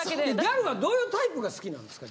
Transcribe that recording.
ギャルはどういうタイプが好きなんですか？